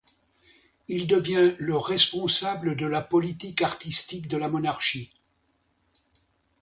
Il devient le responsable de la politique artistique de la monarchie.